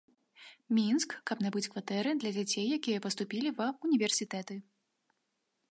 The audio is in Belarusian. Мінск, каб набыць кватэры, для дзяцей, якія паступілі ва ўніверсітэты.